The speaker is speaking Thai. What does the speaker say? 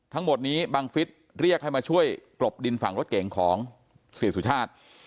ทั้งหมดนี้บังฟิศเรียกให้มาช่วยกลบดินฝั่งรถเก่งของเสียสุชาติ